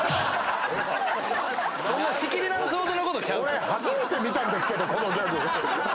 俺初めて見たんですけどこのギャグ。